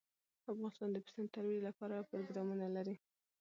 افغانستان د پسونو د ترویج لپاره پروګرامونه لري.